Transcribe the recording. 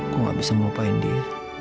kok gak bisa melupain dia